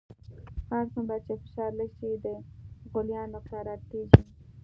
هر څومره چې فشار لږ شي د غلیان نقطه را ټیټیږي.